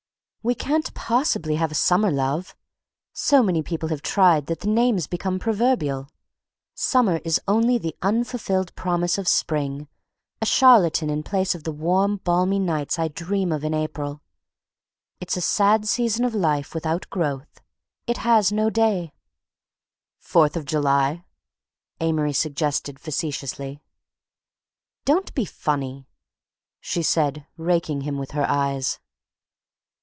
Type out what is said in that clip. "We can't possibly have a summer love. So many people have tried that the name's become proverbial. Summer is only the unfulfilled promise of spring, a charlatan in place of the warm balmy nights I dream of in April. It's a sad season of life without growth.... It has no day." "Fourth of July," Amory suggested facetiously. "Don't be funny!" she said, raking him with her eyes.